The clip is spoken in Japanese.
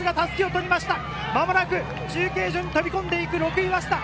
間もなく中継所に飛び込んでいく、６位・早稲田。